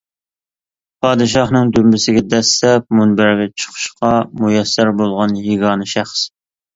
پادىشاھنىڭ دۈمبىسىگە دەسسەپ مۇنبەرگە چىقىشقا مۇيەسسەر بولغان يېگانە شەخس.